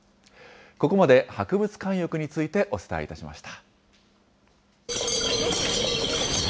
ここまで博物館浴についてお伝えいたしました。